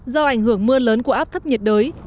do ảnh hưởng mưa lớn của áp thấp nhiệt đới